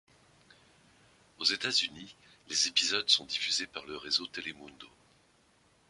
Aux États-Unis, les épisodes sont diffusés par le réseau Telemundo.